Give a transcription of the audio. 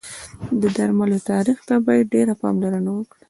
د درملو تاریخ ته باید ډېر پاملرنه وکړی